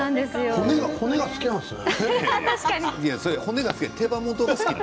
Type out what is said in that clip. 骨が好きなんだね。